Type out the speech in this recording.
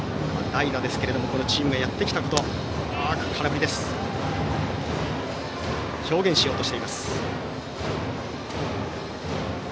代打ですけれどもチームがやってきたことを表現しようとしています。